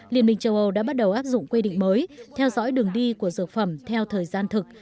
liên minh châu âu đã bắt đầu áp dụng quy định mới theo dõi đường đi của dược phẩm theo thời gian thực